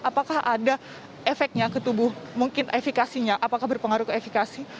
apakah ada efeknya ketubuh mungkin efekasinya apakah berpengaruh ke efekasi